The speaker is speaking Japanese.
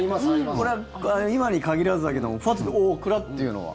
これは今に限らずだけどもおお、クラッっていうのは。